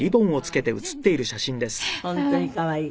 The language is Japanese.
本当に可愛い。